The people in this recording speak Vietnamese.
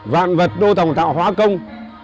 vạn vật đô tổng tạo hóa công